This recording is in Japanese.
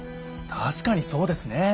たしかにそうですね。